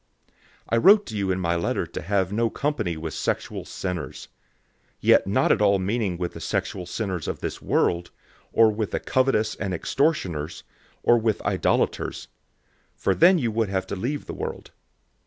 005:009 I wrote to you in my letter to have no company with sexual sinners; 005:010 yet not at all meaning with the sexual sinners of this world, or with the covetous and extortioners, or with idolaters; for then you would have to leave the world.